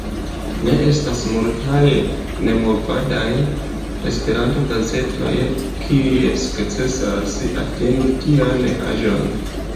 Ne estas multaj nemovadaj Esperanto-gazetoj, kiuj sukcesas atingi tian aĝon.